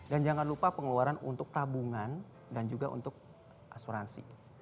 dan jangan lupa pengeluaran untuk tabungan dan juga untuk asuransi